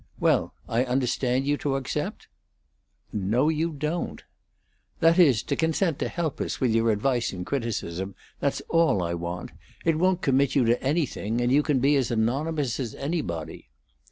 Well, I understand you to accept?" "No, you don't." "That is, to consent to help us with your advice and criticism. That's all I want. It won't commit you to anything; and you can be as anonymous as anybody."